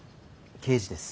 刑事です。